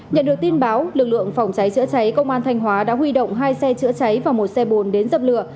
nhận được tin báo lực lượng phòng cháy chữa cháy công an thanh hóa đã huy động hai xe chữa cháy và một xe bồn đến dập lửa